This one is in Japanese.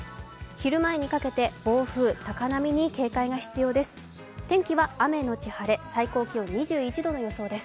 昼前にかけて暴風・高波に警戒が必要です。